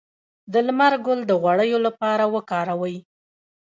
د لمر ګل د غوړیو لپاره وکاروئ